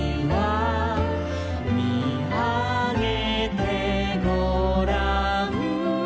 「見あげてごらん」